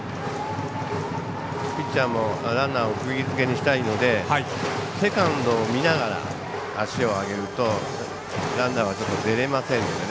ピッチャーもランナーをくぎ付けにしたいのでセカンドを見ながら足を上げるとランナーはちょっと出られませんのでね。